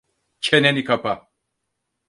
Çeneni kapa!